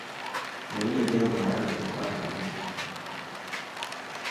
މިއީ ދެން ވަރަށް ހެއްވާ ކަމެއް.